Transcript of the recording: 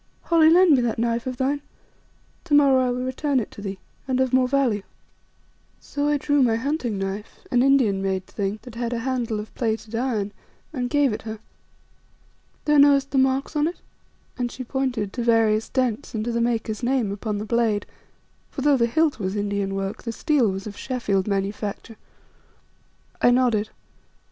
"Holly, lend me that knife of thine, to morrow I will return it to thee, and of more value." So I drew my hunting knife, an Indian made thing, that had a handle of plated iron, and gave it her. "Thou knowest the marks on it," and she pointed to various dents and to the maker's name upon the blade; for though the hilt was Indian work the steel was of Sheffield manufacture. I nodded.